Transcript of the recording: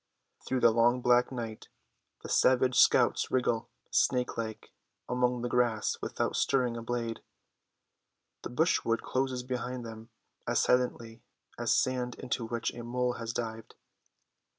Through the long black night the savage scouts wriggle, snake like, among the grass without stirring a blade. The brushwood closes behind them, as silently as sand into which a mole has dived.